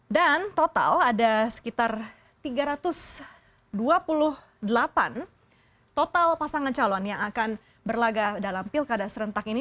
dan total ada sekitar tiga ratus dua puluh delapan total pasangan calon yang akan berlagak dalam pilkada serentak ini